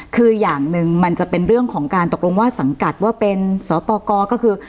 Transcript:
คืออย่างหนึ่งมันจะเป็นเรื่องของการตกลงว่าสังกัดว่าเป็นสตกก็คือ